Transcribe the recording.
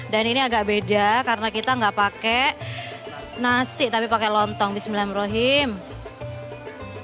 dan ini agak beda karena kita enggak pakai nasi tapi pakai lontong bismillah catherine